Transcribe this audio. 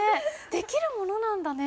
できるものなんだね。